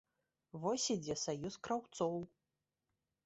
Вось ідзе саюз краўцоў.